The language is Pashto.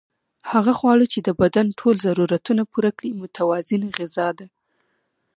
هغه خواړه چې د بدن ټول ضرورتونه پوره کړي متوازنه غذا ده